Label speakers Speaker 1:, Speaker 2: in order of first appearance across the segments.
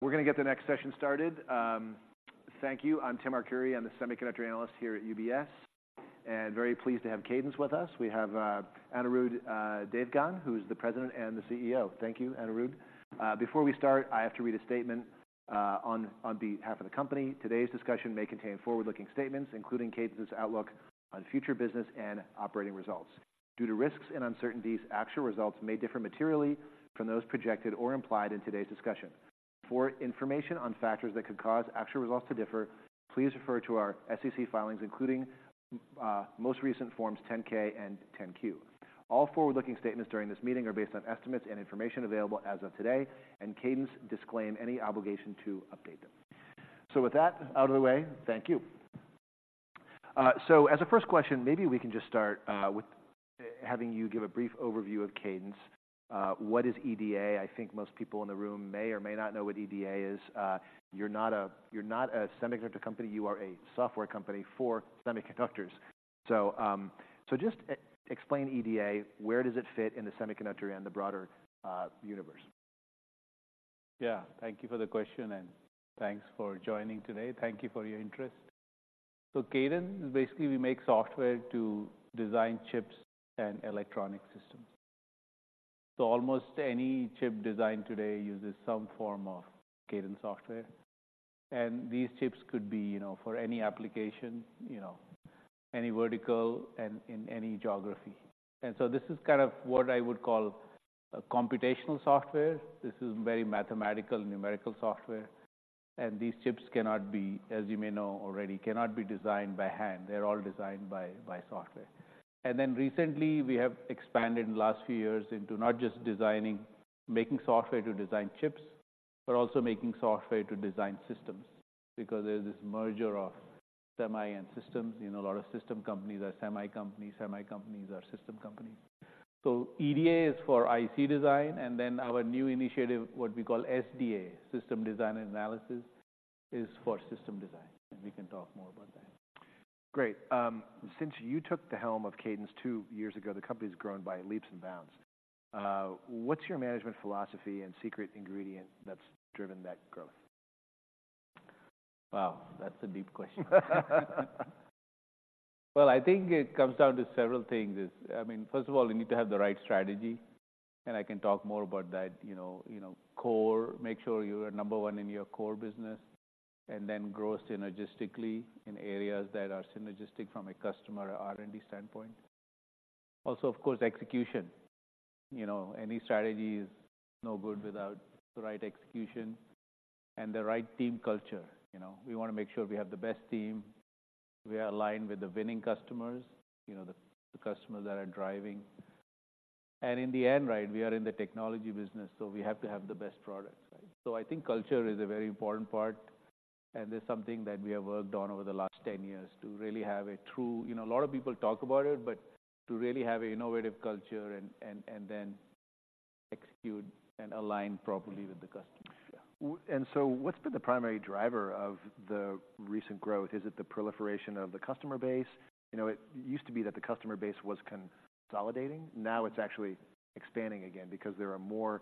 Speaker 1: We're gonna get the next session started. Thank you. I'm Tim Arcuri. I'm the Semiconductor Analyst here at UBS, and very pleased to have Cadence with us. We have Anirudh Devgan, who's the President and CEO. Thank you, Anirudh. Before we start, I have to read a statement on behalf of the company. Today's discussion may contain forward-looking statements, including Cadence's outlook on future business and operating results. Due to risks and uncertainties, actual results may differ materially from those projected or implied in today's discussion. For information on factors that could cause actual results to differ, please refer to our SEC filings, including most recent Forms 10-K and 10-Q. All forward-looking statements during this meeting are based on estimates and information available as of today, and Cadence disclaims any obligation to update them. With that out of the way, thank you. So as a first question, maybe we can just start with having you give a brief overview of Cadence. What is EDA? I think most people in the room may or may not know what EDA is. You're not a semiconductor company, you are a software company for semiconductors. So just explain EDA. Where does it fit in the semiconductor and the broader universe?
Speaker 2: Yeah, thank you for the question, and thanks for joining today. Thank you for your interest. So Cadence, basically, we make software to design chips and electronic systems. So almost any chip design today uses some form of Cadence software, and these chips could be, you know, for any application, you know, any vertical and in any geography. And so this is kind of what I would call a computational software. This is very mathematical, numerical software, and these chips cannot be, as you may know already, cannot be designed by hand. They're all designed by software. And then recently, we have expanded in the last few years into not just making software to design chips, but also making software to design systems, because there's this merger of semi and systems. You know, a lot of system companies are semi companies, semi companies are system companies. EDA is for IC design, and then our new initiative, what we call SDA, System Design and Analysis, is for system design, and we can talk more about that.
Speaker 1: Great. Since you took the helm of Cadence two years ago, the company's grown by leaps and bounds. What's your management philosophy and secret ingredient that's driven that growth?
Speaker 2: Wow, that's a deep question. Well, I think it comes down to several things. I mean, first of all, you need to have the right strategy, and I can talk more about that. You know, you know, core, make sure you are number one in your core business, and then grow synergistically in areas that are synergistic from a customer R&D standpoint. Also, of course, execution. You know, any strategy is no good without the right execution and the right team culture, you know? We wanna make sure we have the best team, we are aligned with the winning customers, you know, the customers that are driving. And in the end, right, we are in the technology business, so we have to have the best products, right? So I think culture is a very important part, and it's something that we have worked on over the last 10 years to really have a true... You know, a lot of people talk about it, but to really have an innovative culture and then execute and align properly with the customers. Yeah.
Speaker 1: And so what's been the primary driver of the recent growth? Is it the proliferation of the customer base? You know, it used to be that the customer base was consolidating. Now it's actually expanding again because there are more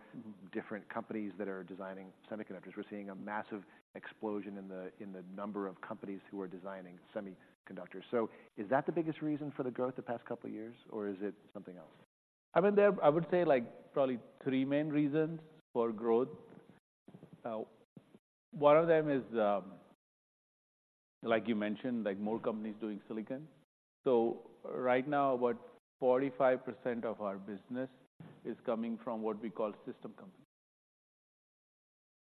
Speaker 1: different companies that are designing semiconductors. We're seeing a massive explosion in the, in the number of companies who are designing semiconductors. So is that the biggest reason for the growth the past couple of years, or is it something else?
Speaker 2: I mean, there I would say, like, probably three main reasons for growth. One of them is, like you mentioned, like, more companies doing silicon. So right now, about 45% of our business is coming from what we call system companies.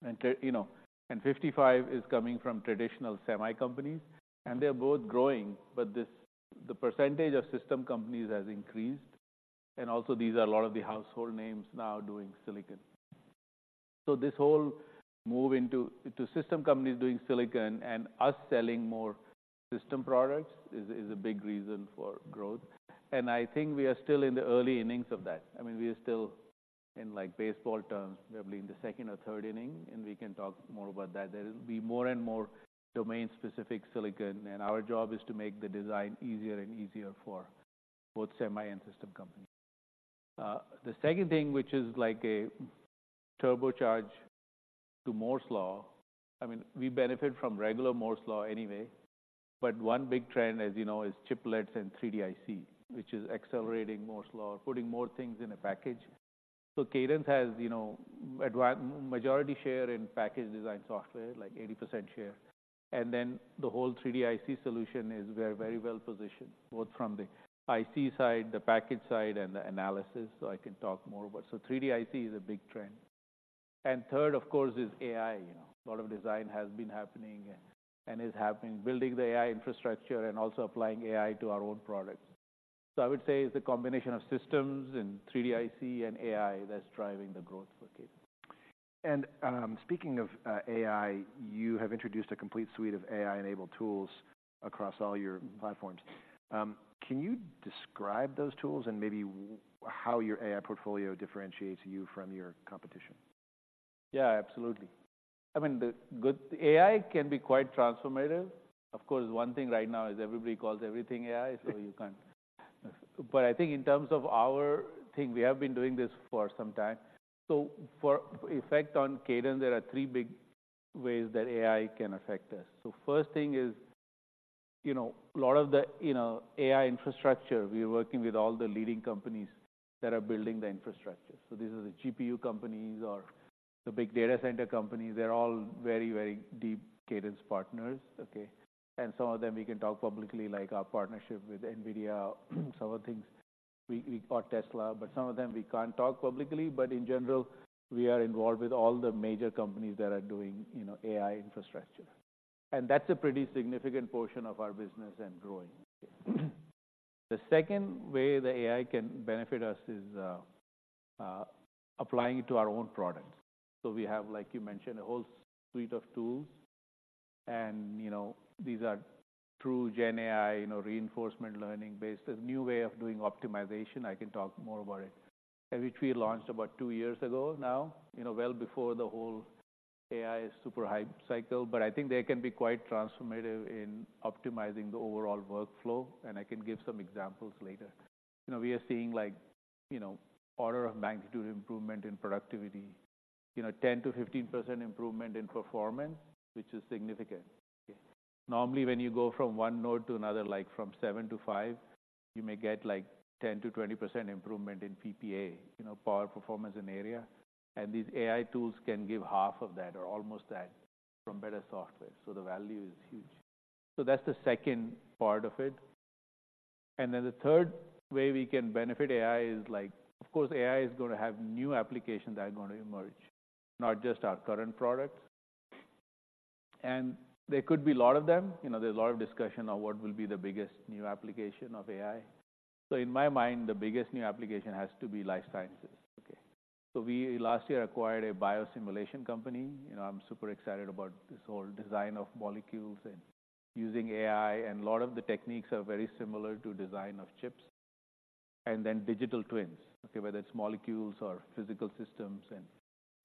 Speaker 2: And you know, and 55 is coming from traditional semi companies, and they're both growing, but this, the percentage of system companies has increased, and also these are a lot of the household names now doing silicon. So this whole move into, into system companies doing silicon and us selling more system products is, is a big reason for growth, and I think we are still in the early innings of that. I mean, we are still, in like baseball terms, probably in the second or third inning, and we can talk more about that. There will be more and more domain-specific silicon, and our job is to make the design easier and easier for both semi and system companies. The second thing, which is like a turbocharge to Moore's Law, I mean, we benefit from regular Moore's Law anyway, but one big trend, as you know, is chiplets and 3D-IC, which is accelerating Moore's Law, putting more things in a package. So Cadence has, you know, majority share in package design software, like 80% share, and then the whole 3D-IC solution is very, very well positioned, both from the IC side, the package side, and the analysis. So I can talk more about it. So 3D-IC is a big trend. And third, of course, is AI, you know. A lot of design has been happening and is happening, building the AI infrastructure and also applying AI to our own products. So I would say it's a combination of systems and 3D-IC and AI that's driving the growth for Cadence.
Speaker 1: And, speaking of AI, you have introduced a complete suite of AI-enabled tools across all your platforms. Can you describe those tools and maybe how your AI portfolio differentiates you from your competition?
Speaker 2: Yeah, absolutely. I mean, the good... AI can be quite transformative. Of course, one thing right now is everybody calls everything AI, so you can't-... But I think in terms of our thing, we have been doing this for some time. So for effect on Cadence, there are three big ways that AI can affect us. So first thing is, you know, a lot of the, you know, AI infrastructure, we are working with all the leading companies that are building the infrastructure. So these are the GPU companies or the big data center companies. They're all very, very deep Cadence partners, okay? And some of them we can talk publicly, like our partnership with NVIDIA, some of the things we, we call Tesla, but some of them we can't talk publicly. But in general, we are involved with all the major companies that are doing, you know, AI infrastructure, and that's a pretty significant portion of our business and growing. The second way the AI can benefit us is, applying it to our own products. So we have, like you mentioned, a whole suite of tools, and, you know, these are true GenAI, you know, reinforcement learning-based, a new way of doing optimization. I can talk more about it, which we launched about two years ago now, you know, well before the whole AI super hype cycle. But I think they can be quite transformative in optimizing the overall workflow, and I can give some examples later. You know, we are seeing like, you know, order of magnitude improvement in productivity, you know, 10%-15% improvement in performance, which is significant. Okay? Normally, when you go from one node to another, like from seven to five, you may get, like, 10%-20% improvement in PPA, you know, power, performance, and area. These AI tools can give half of that or almost that from better software. So the value is huge. So that's the second part of it. Then the third way we can benefit AI is, like, of course, AI is gonna have new applications that are gonna emerge, not just our current products. There could be a lot of them. You know, there's a lot of discussion on what will be the biggest new application of AI. So in my mind, the biggest new application has to be life sciences, okay? So we last year acquired a biosimulation company. You know, I'm super excited about this whole design of molecules and using AI, and a lot of the techniques are very similar to design of chips and then digital twins, okay? Whether it's molecules or physical systems,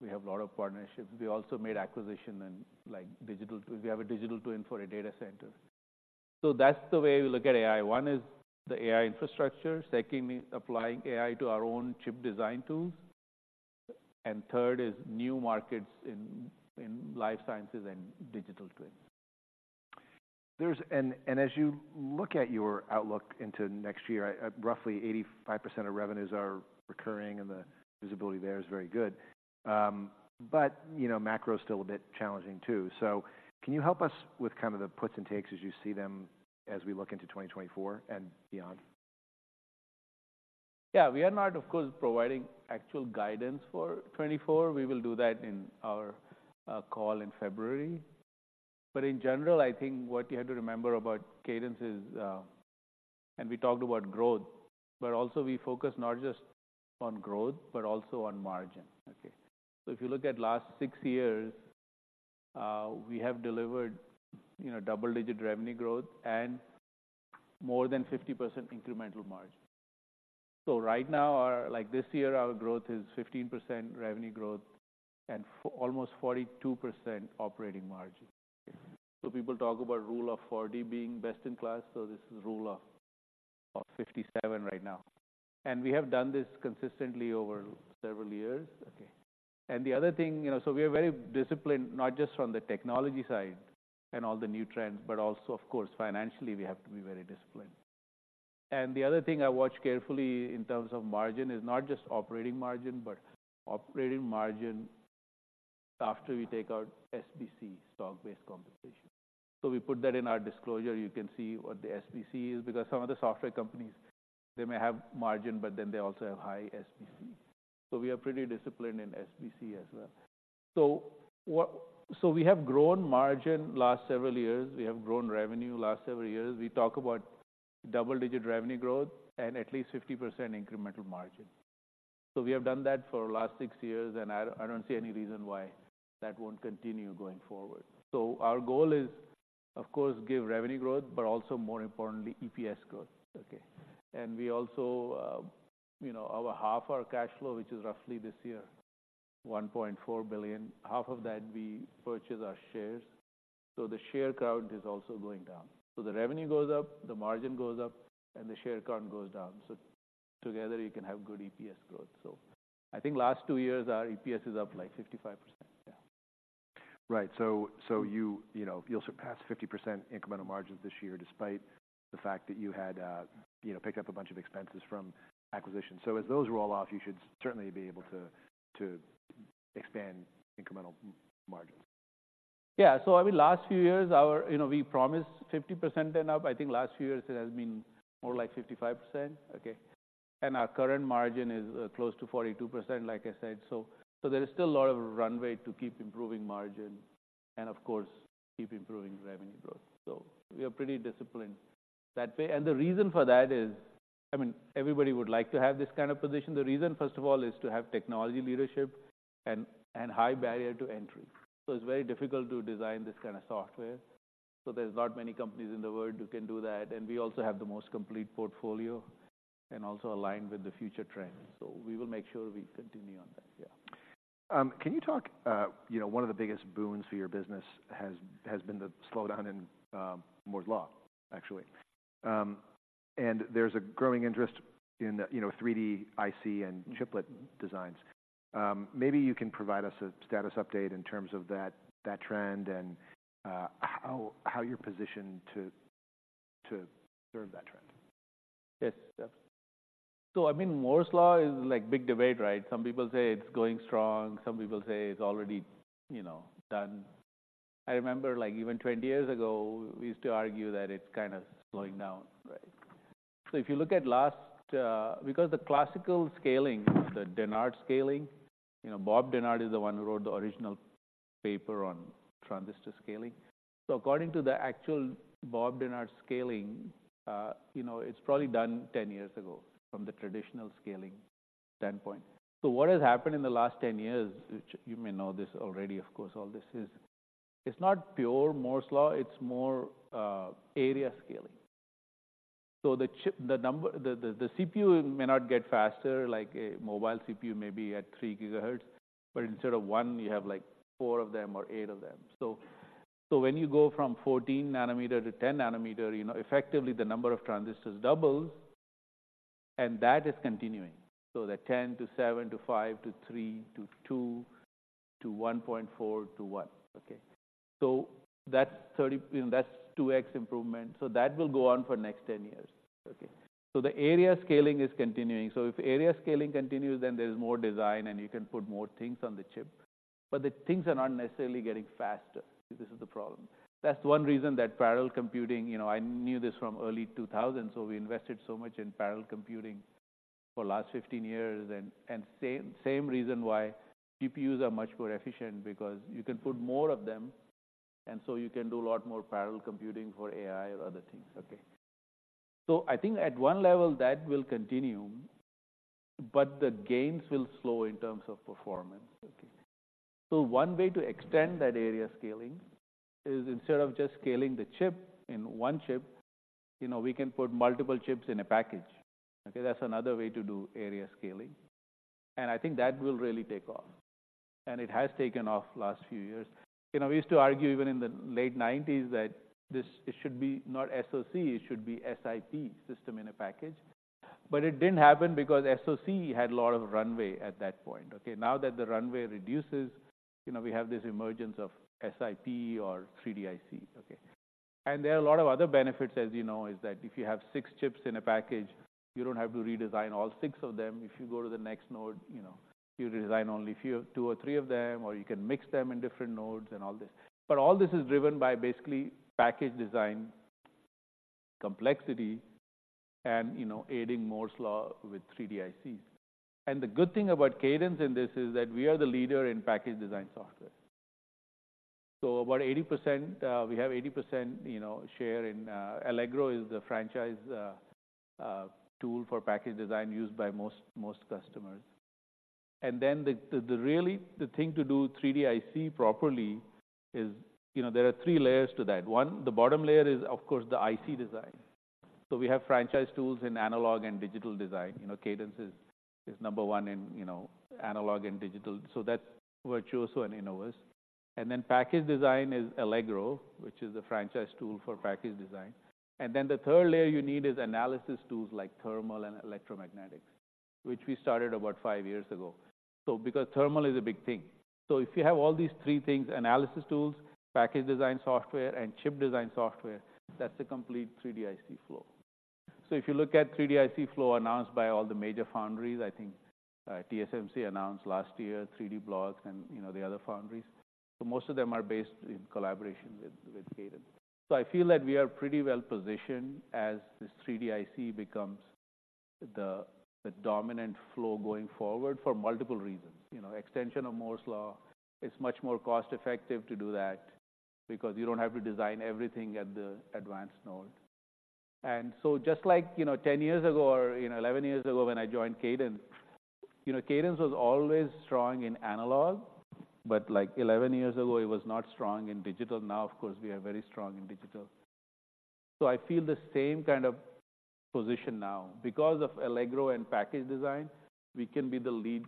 Speaker 2: and we have a lot of partnerships. We also made acquisition and like digital twins, we have a digital twin for a data center. So that's the way we look at AI. One is the AI infrastructure, second is applying AI to our own chip design tools, and third is new markets in, in life sciences and digital twins.
Speaker 1: As you look at your outlook into next year, roughly 85% of revenues are recurring and the visibility there is very good. But, you know, macro is still a bit challenging too. So can you help us with kind of the puts and takes as you see them, as we look into 2024 and beyond?
Speaker 2: Yeah, we are not, of course, providing actual guidance for 2024. We will do that in our call in February. But in general, I think what you have to remember about Cadence is... And we talked about growth, but also we focus not just on growth, but also on margin, okay? So if you look at last six years, we have delivered, you know, double-digit revenue growth and more than 50% incremental margin. So right now, our—like this year, our growth is 15% revenue growth and for almost 42% operating margin. So people talk about Rule of 40 being best in class. So this is Rule of 57 right now, and we have done this consistently over several years, okay? The other thing, you know, so we are very disciplined, not just from the technology side and all the new trends, but also, of course, financially, we have to be very disciplined. And the other thing I watch carefully in terms of margin is not just operating margin, but operating margin after we take out SBC, stock-based compensation. So we put that in our disclosure. You can see what the SBC is, because some of the software companies, they may have margin, but then they also have high SBC. So we are pretty disciplined in SBC as well. So we have grown margin last several years. We have grown revenue last several years. We talk about double-digit revenue growth and at least 50% incremental margin. So we have done that for the last six years, and I don't, I don't see any reason why that won't continue going forward. So our goal is, of course, give revenue growth, but also more importantly, EPS growth, okay? And we also, you know, over half our cash flow, which is roughly this year $1.4 billion, half of that we purchase our shares. So the share count is also going down. So the revenue goes up, the margin goes up, and the share count goes down. So together you can have good EPS growth. So I think last two years, our EPS is up, like, 55%. Yeah.
Speaker 1: Right. So you know, you'll surpass 50% incremental margins this year, despite the fact that you had you know, picked up a bunch of expenses from acquisitions. So as those roll off, you should certainly be able to expand incremental margins.
Speaker 2: Yeah. So, I mean, last few years, our... You know, we promised 50% and up. I think last few years it has been more like 55%, okay? And our current margin is close to 42%, like I said. So, so there is still a lot of runway to keep improving margin and of course, keep improving revenue growth. So we are pretty disciplined that way. And the reason for that is, I mean, everybody would like to have this kind of position. The reason, first of all, is to have technology leadership and, and high barrier to entry. So it's very difficult to design this kind of software. So there's not many companies in the world who can do that, and we also have the most complete portfolio and also aligned with the future trends. So we will make sure we continue on that. Yeah....
Speaker 1: Can you talk, you know, one of the biggest boons for your business has, has been the slowdown in, Moore's Law, actually. And there's a growing interest in the, you know, 3D-IC and chiplet designs. Maybe you can provide us a status update in terms of that, that trend and, how, how you're positioned to, to serve that trend.
Speaker 2: Yes. So I mean, Moore's Law is like big debate, right? Some people say it's going strong, some people say it's already, you know, done. I remember, like even 20 years ago, we used to argue that it's kind of slowing down, right? So if you look at last, because the classical scaling, the Dennard scaling, you know, Bob Dennard is the one who wrote the original paper on transistor scaling. So according to the actual Bob Dennard scaling, you know, it's probably done 10 years ago from the traditional scaling standpoint. So what has happened in the last 10 years, which you may know this already, of course, all this is, it's not pure Moore's Law, it's more, area scaling. So the chip—the number—the CPU may not get faster, like a mobile CPU may be at 3 gigahertz, but instead of one, you have, like, four of them or eight of them. So when you go from 14 nanometer to 10 nanometer, you know, effectively the number of transistors doubles, and that is continuing. So the 10 to 7, to 5, to 3, to 2, to 1.4 to 1. Okay. So that's 30—that's 2x improvement. So that will go on for next 10 years, okay? So the area scaling is continuing. So if area scaling continues, then there's more design, and you can put more things on the chip, but the things are not necessarily getting faster. This is the problem. That's one reason that parallel computing, you know, I knew this from early 2000, so we invested so much in parallel computing for last 15 years. And the same reason why GPUs are much more efficient, because you can put more of them, and so you can do a lot more parallel computing for AI or other things, okay? So I think at one level that will continue, but the gains will slow in terms of performance, okay? So one way to extend that area scaling is, instead of just scaling the chip in one chip, you know, we can put multiple chips in a package. Okay, that's another way to do area scaling, and I think that will really take off, and it has taken off last few years. You know, we used to argue even in the late 1990s, that this- it should be not SoC, it should be SiP, system in a package. But it didn't happen because SoC had a lot of runway at that point, okay? Now that the runway reduces, you know, we have this emergence of SiP or 3D-IC, okay? And there are a lot of other benefits, as you know, is that if you have 6 chips in a package, you don't have to redesign all 6 of them. If you go to the next node, you know, you redesign only a few, two or three of them, or you can mix them in different nodes and all this. But all this is driven by basically package design complexity and, you know, aiding Moore's Law with 3D-ICs. The good thing about Cadence in this is that we are the leader in package design software. So about 80%, we have 80%, you know, share. Allegro is the franchise tool for package design used by most customers. And then the real thing to do 3D-IC properly is, you know, there are three layers to that. One, the bottom layer is, of course, the IC design. So we have franchise tools in analog and digital design. You know, Cadence is number one in, you know, analog and digital, so that's Virtuoso and Innovus. And then package design is Allegro, which is a franchise tool for package design. And then the third layer you need is analysis tools like thermal and electromagnetics, which we started about five years ago. So because thermal is a big thing. So if you have all these three things: analysis tools, package design software, and chip design software, that's the complete 3D-IC flow. So if you look at 3D-IC flow announced by all the major foundries, I think, TSMC announced last year, 3Dblox and, you know, the other foundries. So most of them are based in collaboration with Cadence. So I feel that we are pretty well positioned as this 3D-IC becomes the dominant flow going forward for multiple reasons. You know, extension of Moore's Law, it's much more cost-effective to do that because you don't have to design everything at the advanced node. Just like, you know, 10 years ago, or you know, 11 years ago, when I joined Cadence, you know, Cadence was always strong in analog, but like 11 years ago, it was not strong in digital. Now, of course, we are very strong in digital. So I feel the same kind of position now. Because of Allegro and package design, we can be the lead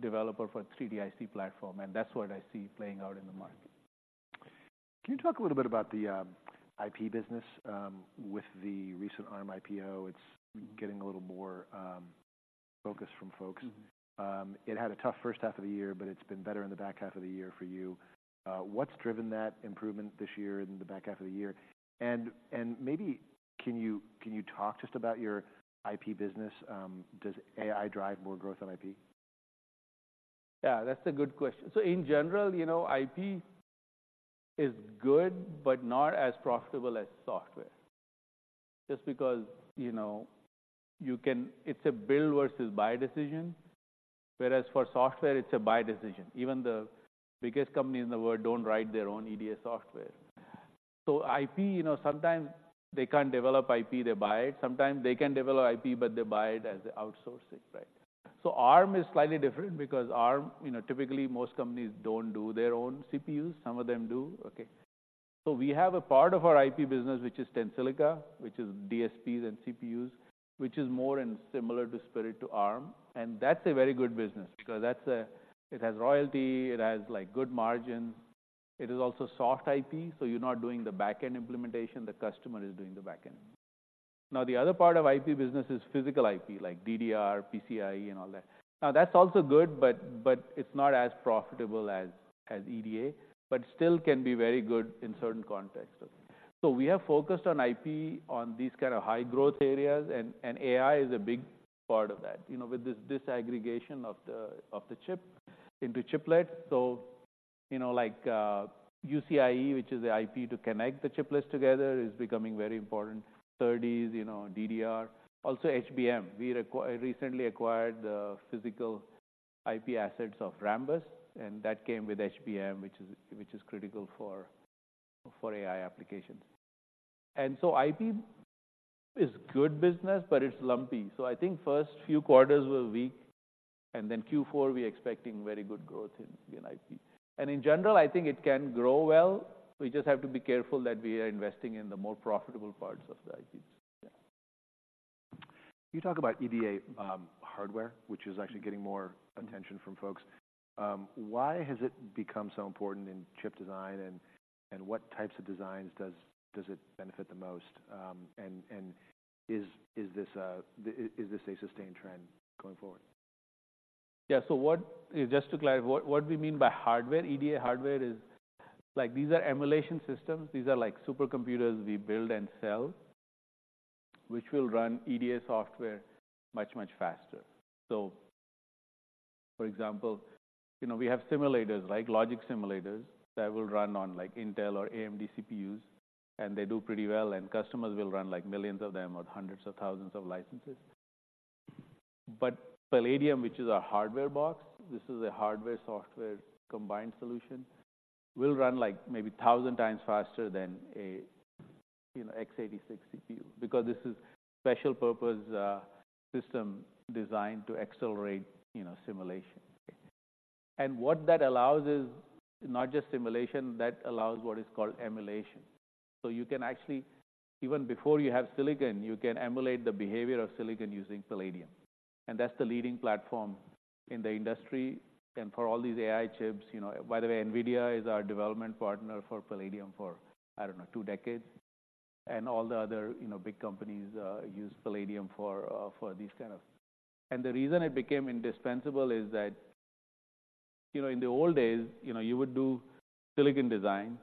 Speaker 2: developer for 3D-IC platform, and that's what I see playing out in the market.
Speaker 1: Can you talk a little bit about the IP business? With the recent Arm IPO, it's getting a little more focus from folks.
Speaker 2: Mm-hmm.
Speaker 1: It had a tough first half of the year, but it's been better in the back half of the year for you. What's driven that improvement this year in the back half of the year? And, and maybe can you, can you talk just about your IP business? Does AI drive more growth on IP?
Speaker 2: Yeah, that's a good question. So in general, you know, IP is good but not as profitable as software. Just because, you know, you can, it's a build versus buy decision, whereas for software, it's a buy decision. Even the biggest companies in the world don't write their own EDA software. So IP, you know, sometimes they can't develop IP, they buy it. Sometimes they can develop IP, but they buy it as they outsource it, right? So Arm is slightly different because Arm, you know, typically most companies don't do their own CPUs. Some of them do, okay? So we have a part of our IP business, which is Tensilica, which is DSPs and CPUs, which is more and similar to Spirit to Arm. And that's a very good business because that's a, it has royalty, it has, like, good margins. It is also soft IP, so you're not doing the back-end implementation. The customer is doing the back end. Now, the other part of IP business is physical IP, like DDR, PCIe, and all that. Now, that's also good, but it's not as profitable as EDA, but still can be very good in certain contexts. So we have focused on IP, on these kind of high-growth areas, and AI is a big part of that, you know, with this disaggregation of the chip into chiplets. So, you know, like, UCIe, which is the IP to connect the chiplets together, is becoming very important. SerDes, you know, DDR, also HBM. We recently acquired the physical IP assets of Rambus, and that came with HBM, which is critical for AI applications. And so IP is good business, but it's lumpy. I think the first few quarters were weak, and then Q4, we're expecting very good growth in IP. In general, I think it can grow well. We just have to be careful that we are investing in the more profitable parts of the IP. Yeah.
Speaker 1: You talk about EDA hardware, which is actually getting more attention from folks. Why has it become so important in chip design, and what types of designs does it benefit the most? And is this a sustained trend going forward?
Speaker 2: Yeah, so what—just to clarify, what we mean by hardware, EDA hardware is... Like, these are emulation systems. These are like supercomputers we build and sell, which will run EDA software much, much faster. So, for example, you know, we have simulators, like logic simulators, that will run on, like, Intel or AMD CPUs, and they do pretty well, and customers will run, like, millions of them or hundreds of thousands of licenses. But Palladium, which is our hardware box, this is a hardware-software combined solution, will run, like, maybe 1,000 times faster than a, you know, x86 CPU because this is special-purpose system designed to accelerate, you know, simulation. And what that allows is not just simulation, that allows what is called emulation. So you can actually, even before you have silicon, you can emulate the behavior of silicon using Palladium, and that's the leading platform in the industry and for all these AI chips. You know, by the way, NVIDIA is our development partner for Palladium for, I don't know, 2 decades, and all the other, you know, big companies use Palladium for these kind of... And the reason it became indispensable is that, you know, in the old days, you know, you would do silicon design,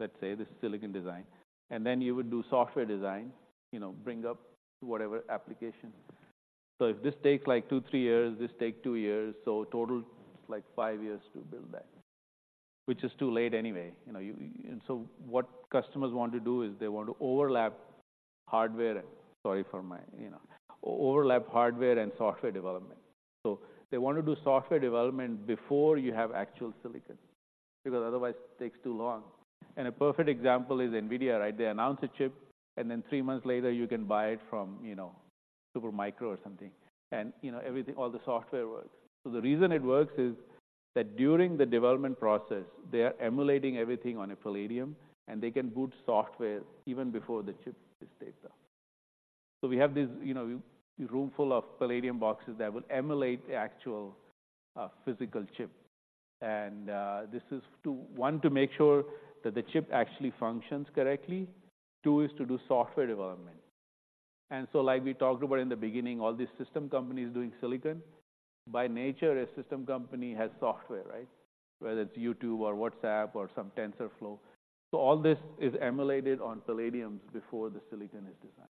Speaker 2: let's say this is silicon design, and then you would do software design, you know, bring up whatever application. So if this takes, like, two to three years, this take two years, so total, it's like five years to build that, which is too late anyway. You know, and so what customers want to do is they want to overlap hardware and software development. So they want to do software development before you have actual silicon, because otherwise it takes too long. And a perfect example is NVIDIA, right? They announce a chip, and then three months later, you can buy it from, you know, Supermicro or something, and, you know, everything, all the software works. So the reason it works is that during the development process, they are emulating everything on a Palladium, and they can boot software even before the chip is taped out. So we have this, you know, room full of Palladium boxes that will emulate the actual physical chip. And this is to, one, to make sure that the chip actually functions correctly. Two, is to do software development. And so, like we talked about in the beginning, all these system companies doing silicon, by nature, a system company has software, right? Whether it's YouTube or WhatsApp or some TensorFlow. So all this is emulated on Palladium before the silicon is designed.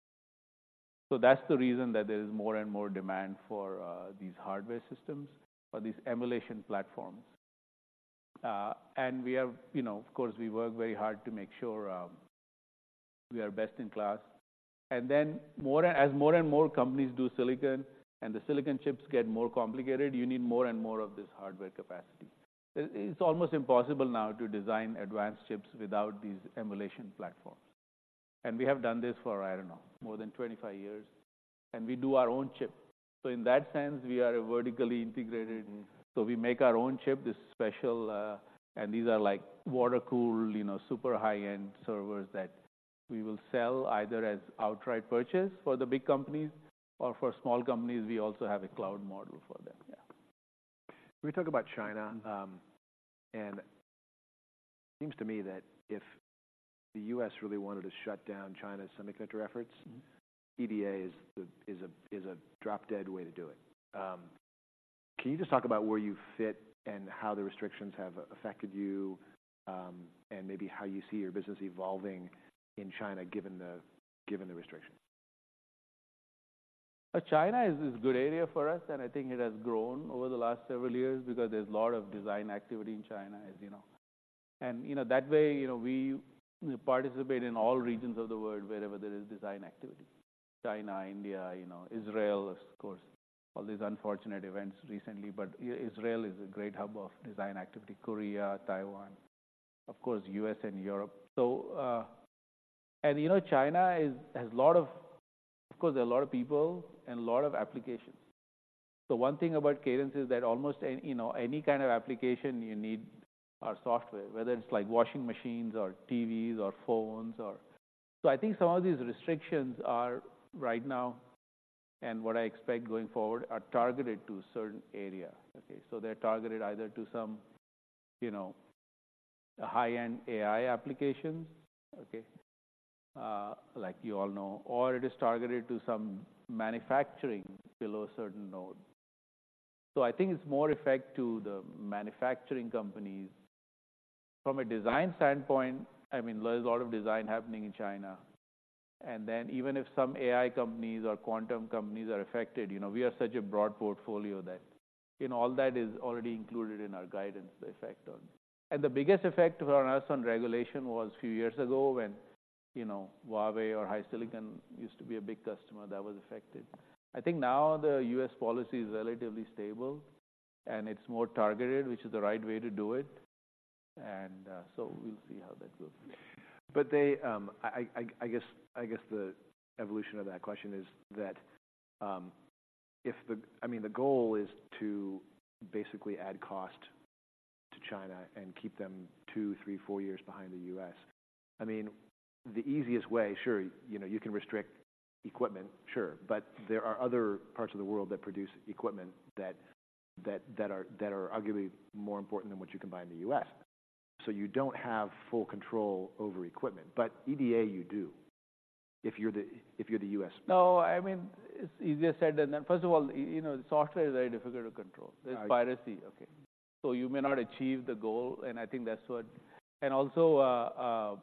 Speaker 2: So that's the reason that there is more and more demand for these hardware systems or these emulation platforms. And we have, you know, of course, we work very hard to make sure we are best in class. As more and more companies do silicon and the silicon chips get more complicated, you need more and more of this hardware capacity. It, it's almost impossible now to design advanced chips without these emulation platforms. And we have done this for, I don't know, more than 25 years, and we do our own chip. So in that sense, we are a vertically integrated... So we make our own chip, this special, and these are like water-cooled, you know, super high-end servers that we will sell either as outright purchase for the big companies or for small companies, we also have a cloud model for them. Yeah.
Speaker 1: Can we talk about China? It seems to me that if the U.S. really wanted to shut down China's semiconductor efforts,
Speaker 2: Mm-hmm.
Speaker 1: EDA is a drop-dead way to do it. Can you just talk about where you fit and how the restrictions have affected you, and maybe how you see your business evolving in China, given the restrictions?
Speaker 2: China is a good area for us, and I think it has grown over the last several years because there's a lot of design activity in China, as you know. And, you know, that way, you know, we participate in all regions of the world wherever there is design activity: China, India, you know, Israel, of course, all these unfortunate events recently, but Israel is a great hub of design activity, Korea, Taiwan, of course, U.S. and Europe. And, you know, China has a lot of, of course, there are a lot of people and a lot of applications. So one thing about Cadence is that almost any, you know, any kind of application you need our software, whether it's like washing machines or TVs or phones or. So I think some of these restrictions are right now, and what I expect going forward, are targeted to a certain area, okay? So they're targeted either to some, you know, high-end AI applications, okay? Like you all know, or it is targeted to some manufacturing below a certain node. So I think it's more effect to the manufacturing companies. From a design standpoint, I mean, there's a lot of design happening in China. And then even if some AI companies or quantum companies are affected, you know, we are such a broad portfolio that, you know, all that is already included in our guidance, the effect on. The biggest effect for us on regulation was a few years ago when, you know, Huawei or HiSilicon used to be a big customer that was affected. I think now the U.S. policy is relatively stable, and it's more targeted, which is the right way to do it. So we'll see how that goes.
Speaker 1: But they, I guess the evolution of that question is that, if the—I mean, the goal is to basically add cost to China and keep them two, three, four years behind the U.S. I mean, the easiest way, sure, you know, you can restrict equipment, sure, but there are other parts of the world that produce equipment that are arguably more important than what you can buy in the U.S. So you don't have full control over equipment, but EDA, you do. If you're the U.S.
Speaker 2: No, I mean, it's easier said than done. First of all, you know, the software is very difficult to control.
Speaker 1: Right.
Speaker 2: There's piracy, okay? So you may not achieve the goal, and I think that's what... And also,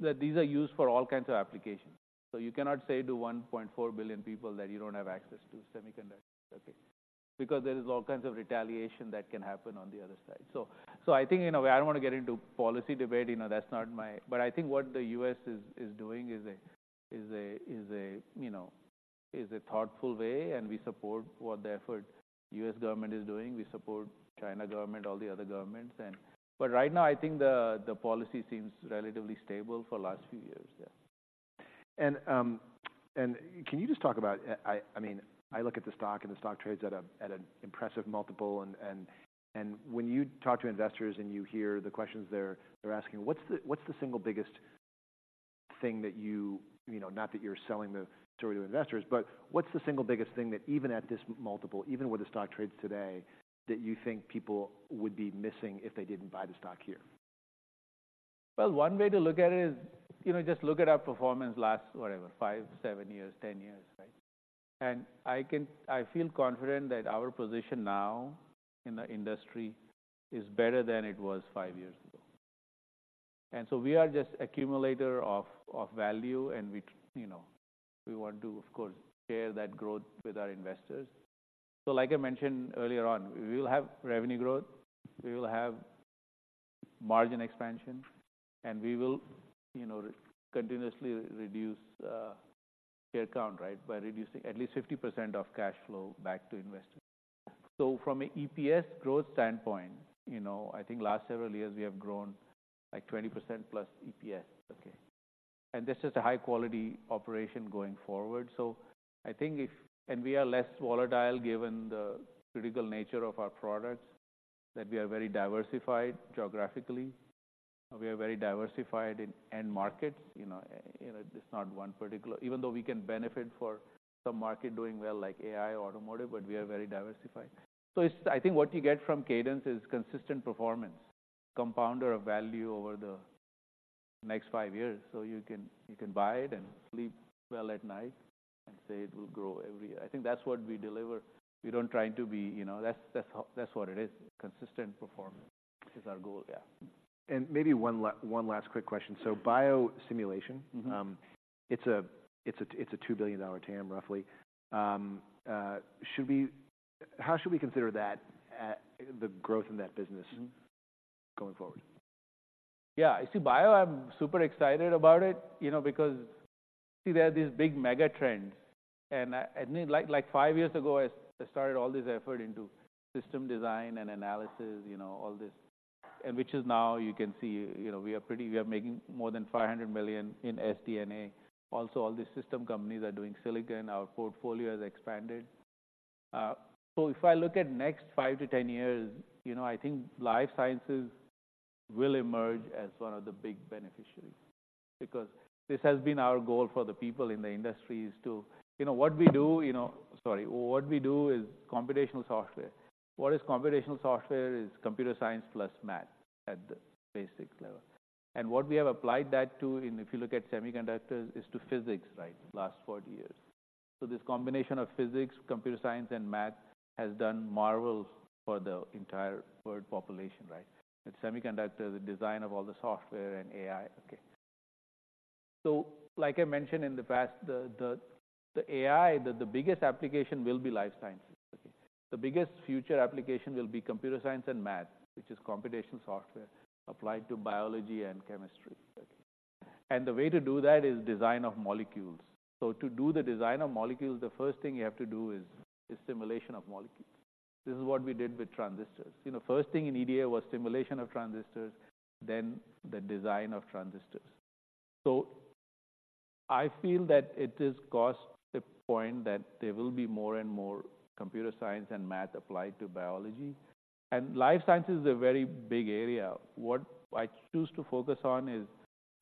Speaker 2: that these are used for all kinds of applications. So you cannot say to 1.4 billion people that you don't have access to semiconductors, okay? Because there is all kinds of retaliation that can happen on the other side. So I think in a way, I don't want to get into policy debate, you know, that's not my—but I think what the U.S. is doing is a thoughtful way, and we support what the effort U.S. government is doing. We support China government, all the other governments and... But right now, I think the policy seems relatively stable for last few years. Yeah.
Speaker 1: Can you just talk about... I mean, I look at the stock, and the stock trades at an impressive multiple, and when you talk to investors and you hear the questions they're asking, what's the single biggest thing that, you know, not that you're selling the story to investors, but what's the single biggest thing that even at this multiple, even where the stock trades today, that you think people would be missing if they didn't buy the stock here?
Speaker 2: Well, one way to look at it is, you know, just look at our performance last, whatever, five, seven years, 10 years, right? And I can—I feel confident that our position now in the industry is better than it was 5 years ago. And so we are just accumulator of, of value, and we, you know, we want to, of course, share that growth with our investors. So like I mentioned earlier on, we will have revenue growth, we will have margin expansion, and we will, you know, continuously reduce share count, right? By reducing at least 50% of cash flow back to investors. So from an EPS growth standpoint, you know, I think last several years, we have grown, like, 20%+ EPS. Okay? And this is a high-quality operation going forward. So I think if... We are less volatile given the critical nature of our products, that we are very diversified geographically, and we are very diversified in end markets. You know, you know, it's not one particular, even though we can benefit for some market doing well, like AI, automotive, but we are very diversified. So it's, I think what you get from Cadence is consistent performance, compounder of value over the next five years. So you can, you can buy it and sleep well at night and say it will grow every year. I think that's what we deliver. We don't try to be, you know... That's, that's, that's what it is. Consistent performance is our goal. Yeah.
Speaker 1: Maybe one last quick question: so biosimulation,
Speaker 2: Mm-hmm.
Speaker 1: It's a $2 billion TAM, roughly. Should we—how should we consider that, the growth in that business-
Speaker 2: Mm-hmm.
Speaker 1: -going forward?
Speaker 2: Yeah. You see, bio, I'm super excited about it, you know, because, see, there are these big mega trends. And then, like, five years ago, I started all this effort into system design and analysis, you know, all this, and which is now you can see, you know, we are pretty. We are making more than $500 million in SDA. Also, all these system companies are doing silicon. Our portfolio has expanded. So if I look at next 5 to 10 years, you know, I think life sciences will emerge as one of the big beneficiaries because this has been our goal for the people in the industry is to... You know, what we do, you know. Sorry, what we do is computational software. What is computational software? Is computer science plus math at the basic level. And what we have applied that to, in if you look at semiconductors, is to physics, right? Last 40 years. So this combination of physics, computer science, and math has done marvels for the entire world population, right? With semiconductors, the design of all the software and AI. Okay. So like I mentioned in the past, the AI, the biggest application will be life sciences, okay? The biggest future application will be computer science and math, which is computational software applied to biology and chemistry. And the way to do that is design of molecules. So to do the design of molecules, the first thing you have to do is simulation of molecules. This is what we did with transistors. You know, first thing in EDA was simulation of transistors, then the design of transistors. So I feel that it is important to point out that there will be more and more computer science and math applied to biology. Life science is a very big area. What I choose to focus on is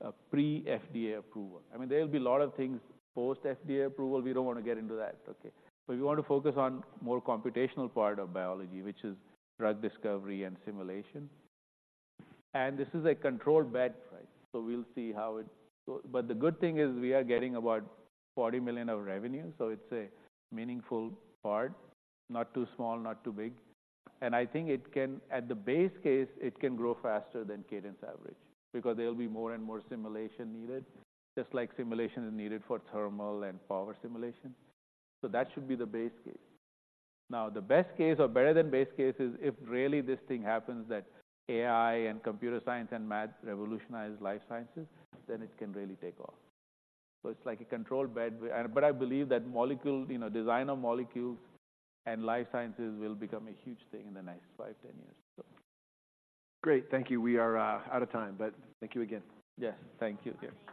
Speaker 2: a pre-FDA approval. I mean, there will be a lot of things post-FDA approval. We don't want to get into that, okay? But we want to focus on more computational part of biology, which is drug discovery and simulation. This is a controlled bet, right? We'll see how it... The good thing is we are getting about $40 million of revenue, so it's a meaningful part. Not too small, not too big. I think it can, at the base case, it can grow faster than Cadence average because there will be more and more simulation needed, just like simulation is needed for thermal and power simulation. So that should be the base case. Now, the best case or better-than-base case is if really this thing happens, that AI and computer science and math revolutionize life sciences, then it can really take off. So it's like a controlled bet, but I believe that molecule, you know, design of molecules and life sciences will become a huge thing in the next five, 10 years, so.
Speaker 1: Great. Thank you. We are out of time, but thank you again.
Speaker 2: Yeah. Thank you. Yeah.